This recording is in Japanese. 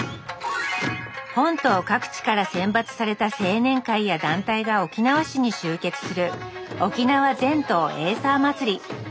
本島各地から選抜された青年会や団体が沖縄市に集結する「沖縄全島エイサーまつり」。